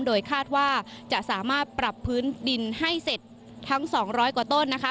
โดยคาดว่าจะสามารถปรับพื้นดินให้เสร็จทั้ง๒๐๐กว่าต้นนะคะ